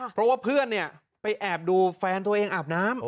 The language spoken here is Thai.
เพราะว่าเพื่อนเนี่ยไปแอบดูแฟนตัวเองอาบน้ำ